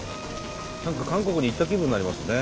何か韓国に行った気分になりますね。